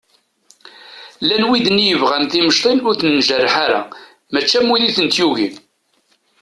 Llan widen i yebɣan timecḍin ur ten-njerreḥ ara mačči am widen i tent-yugin.